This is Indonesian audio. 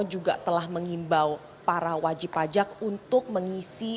juga telah mengimbau para wajib pajak untuk mengisi